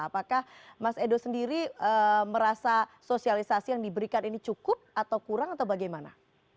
apakah mas edo sendiri merasa sosialisasi yang diberikan ini cukup atau kurang atau bagaimana